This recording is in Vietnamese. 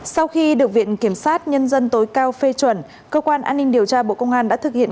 sau khi được viện kiểm sát nhân dân tối cao phê chuẩn cơ quan an ninh điều tra bộ công an đã thực hiện